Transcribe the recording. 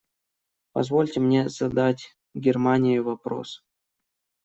Позвольте мне задать Германии вопрос.